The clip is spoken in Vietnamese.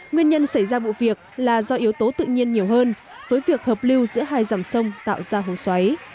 nguyên nhân xảy ra vụ việc là do yếu tố tự nhiên nhiều hơn với việc hợp lưu giữa hai dòng sông tạo ra hồ xoáy